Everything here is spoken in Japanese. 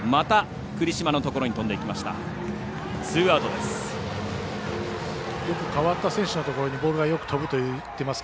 ツーアウトです。